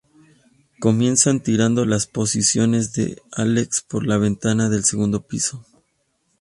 Comienzan tirando las posesiones de Alex por las ventanas del segundo piso.